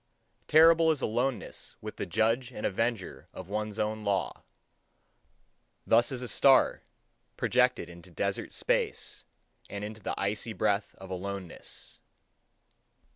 Terrible is aloneness with the judge and avenger of one's own law. Thus is a star projected into desert space, and into the icy breath of aloneness.